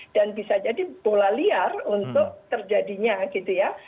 dan bisa jadi bola liar untuk terjadinya gitu ya